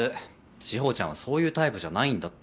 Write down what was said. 志保ちゃんはそういうタイプじゃないんだって。